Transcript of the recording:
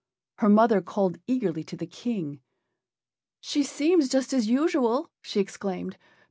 Her mother called eagerly to the King. "She seems just as usual," she exclaimed.